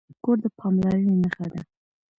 کور د پاملرنې نښه ده.